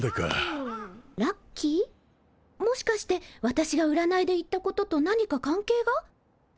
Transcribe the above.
もしかして私がうらないで言ったことと何か関係が？